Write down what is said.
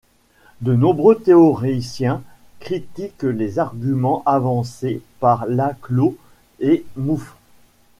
De nombreux théoriciens critiquent les arguments avancés par Laclau et Mouffe.